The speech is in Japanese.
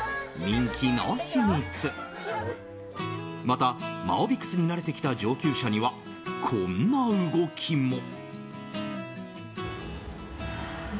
また、マオビクスに慣れてきた上級者にはこんな動きも。